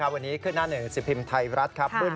วันนี้ขึ้นหน้าหนึ่งสิบพิมพ์ไทยรัฐครับ